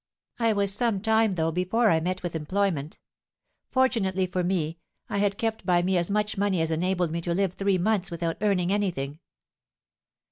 I was some time, though, before I met with employment. Fortunately for me, I had kept by me as much money as enabled me to live three months without earning anything."